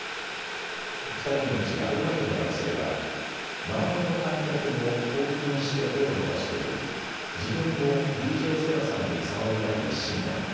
２人のうち、アルバイトの男性は、周りの観客も興奮して手を伸ばしており、自分もＤＪＳＯＤＡさんに触りたい一心だった。